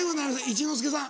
一之輔さん